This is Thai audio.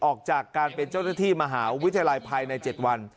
ออกจากการเป็นเจ้าหน้าที่มหาวิทยาลัยภายใน๗วัน